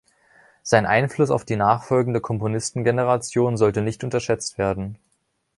Sein Einfluss auf die nachfolgende Komponistengeneration sollte nicht unterschätzt werden.